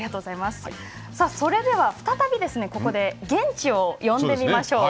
それでは、再びここで現地を呼んでみましょう。